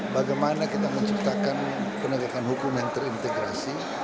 bagaimana kita menciptakan penegakan hukum yang terintegrasi